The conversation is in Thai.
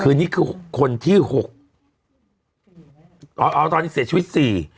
คือนี้คือคนที่หกเอาตอนนี้เสียชีวิตสี่